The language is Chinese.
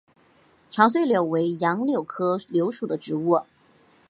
长穗柳为杨柳科柳属的植物。